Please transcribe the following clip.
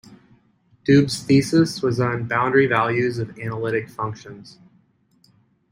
Doob's thesis was on boundary values of analytic functions.